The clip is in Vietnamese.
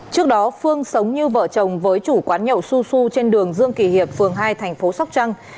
trước đó phương sống như vợ chồng với chủ quán nhậu su su trên đường dương kỳ hiệp phường hai thành phố sóc trăng